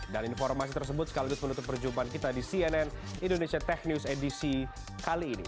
dan informasi tersebut sekaligus menutup perjumpaan kita di cnn indonesia tech news edition kali ini